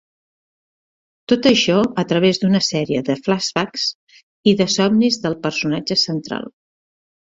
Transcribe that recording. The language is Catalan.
Tot això a través d'una sèrie de flashbacks i de somnis del personatge central.